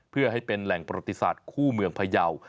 เพื่อให้เป็นแหล่งประติศาสตร์คู่เมืองพยาว